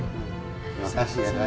terima kasih ya dayang